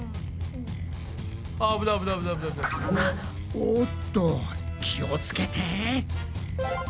おっと気を付けて！